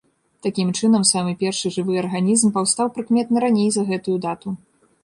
Такім чынам, самы першы жывы арганізм паўстаў прыкметна раней за гэтую дата.